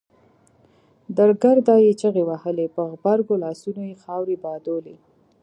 درګرده يې چيغې وهلې په غبرګو لاسونو يې خاورې بادولې.